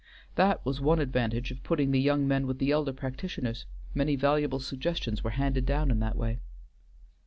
That was one advantage of putting the young men with the elder practitioners; many valuable suggestions were handed down in that way."